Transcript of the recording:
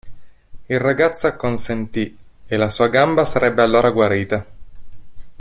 Il ragazzo acconsentì, e la sua gamba sarebbe allora guarita.